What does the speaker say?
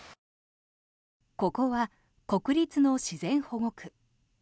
ここは国立の自然保護区。